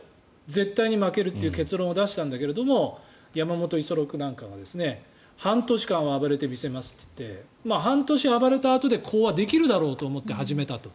絶対に負けるという結論を出したんだけれども山本五十六なんかが半年間は暴れてみせますといって半年暴れたあとで講和できるだろうと思って始めたと。